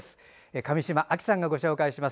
上島亜紀さんがご紹介します。